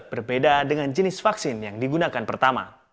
berbeda dengan jenis vaksin yang digunakan pertama